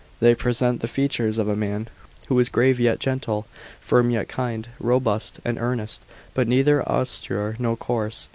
They present the features of a man, who was grave yet gentle, firm yet kind, robust and earnest, but neither austere nor coarse.